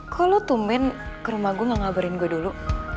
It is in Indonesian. kalau lo tumin ke rumah gue gak ngabarin gue dulu